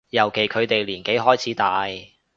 尤其佢哋年紀開始大